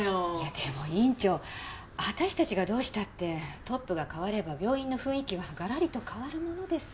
でも院長私たちがどうしたってトップが代われば病院の雰囲気はがらりと変わるものです。